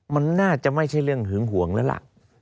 มันน่าจะไม่ใช่เรื่องหึงห่วงแล้วล่ะ